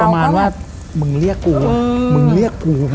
มึงเรียกกูอะ